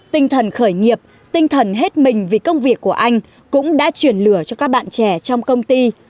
tinh thần khởi nghiệp tinh thần hết mình vì công việc của anh cũng đã chuyển lửa cho các bạn trẻ trong công ty